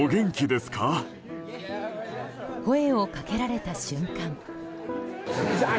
声をかけられた瞬間。